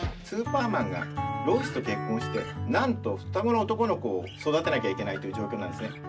スーパーマンがロイスと結婚してなんと双子の男の子を育てなきゃいけないという状況なんですね。